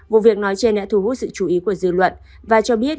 vụ việc nói trên đã thu hút sự chú ý của dư luận và cho biết